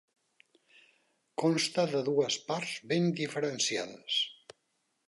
Consta de dues parts ben diferenciades.